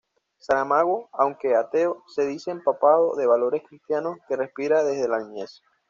Saramago, aunque ateo, se dice empapado de valores cristianos, que respira desde la niñez.